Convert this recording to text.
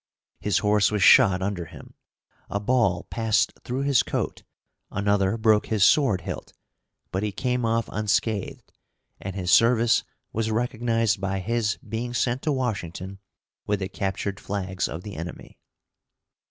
His horse was shot under him, a ball passed through his coat, another broke his sword hilt, but he came off unscathed, and his service was recognized by his being sent to Washington with the captured flags of the enemy.